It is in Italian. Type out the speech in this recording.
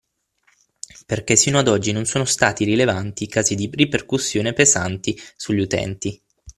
Perché sino ad oggi non sono stati rilevanti i casi di ripercussioni pesanti sugli utenti.